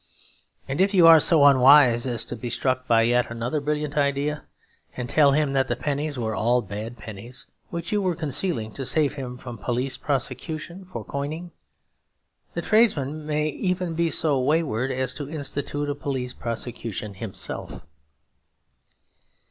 And if you are so unwise as to be struck by yet another brilliant idea, and tell him that the pennies were all bad pennies, which you were concealing to save him from a police prosecution for coining, the tradesman may even be so wayward as to institute a police prosecution himself.